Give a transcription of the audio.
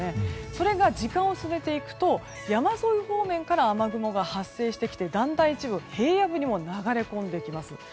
それが時間を進めていくと山沿い方面から雨雲が発生してきてだんだん一部平野部にも流れ込んできます。